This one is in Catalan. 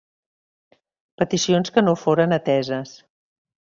Peticions que no foren ateses.